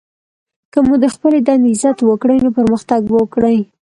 که مو د خپلي دندې عزت وکړئ! نو پرمختګ به وکړئ!